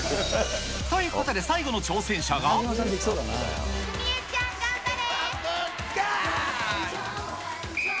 ということで、最後の挑戦者史恵ちゃん、頑張れ。